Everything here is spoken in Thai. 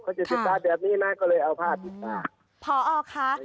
เขาจะปิดตาแบบนี้นะก็เลยไปเอาผ้ากินตา